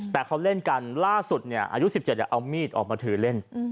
แต่เขาเล่นกันล่าสุดอายุ๑๗เอามีดออกมาถือเล่น